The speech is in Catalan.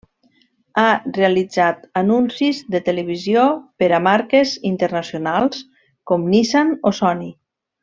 Ha realitzat Anuncis de televisió per a marques internacionals com Nissan o Sony.